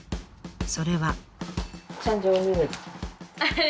それは。